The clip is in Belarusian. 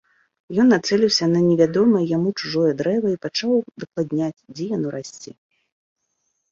Ён нацэліўся на невядомае яму чужое дрэва і пачаў удакладняць, дзе яно расце.